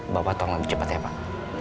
bapak potong lebih cepat ya pak